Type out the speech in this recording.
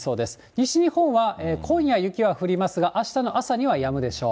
西日本は今夜、雪は降りますがあしたの朝にはやむでしょう。